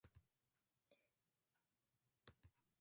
成友さんは、東大で私の三年先輩でした